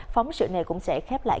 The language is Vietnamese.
phóng sự này cũng sẽ khép lại